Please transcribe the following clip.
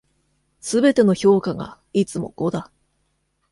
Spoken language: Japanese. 全ての評価がいつも五だ。